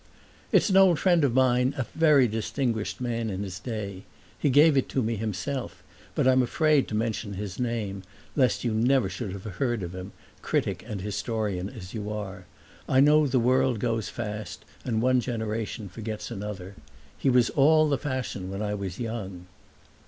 "It's an old friend of mine, a very distinguished man in his day. He gave it to me himself, but I'm afraid to mention his name, lest you never should have heard of him, critic and historian as you are. I know the world goes fast and one generation forgets another. He was all the fashion when I was young."